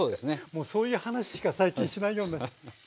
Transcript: もうそういう話しか最近しないようになって。